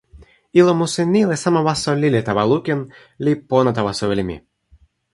ilo musi ni li sama waso lili tawa lukin li pona tawa soweli mi.